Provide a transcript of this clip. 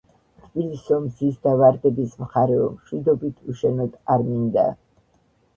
თბილისო მზის და ვარდების მხარეო მშვიდობით უშენოდ არ მინდაააა